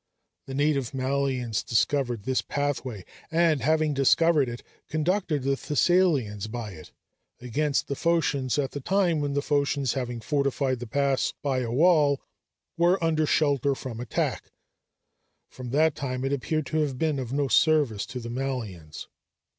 The native Malians discovered this pathway, and having discovered it, conducted the Thessalians by it against the Phocians at the time when the Phocians, having fortified the pass by a wall, were under shelter from an attack. From that time it appeared to have been of no service to the Malians.